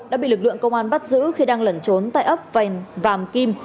đã bị lực lượng công an bắt giữ khi đang lẩn trốn tại ấp vàn vàm kim